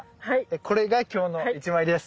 これが今日の１枚です。